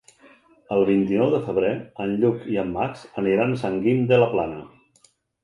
El vint-i-nou de febrer en Lluc i en Max aniran a Sant Guim de la Plana.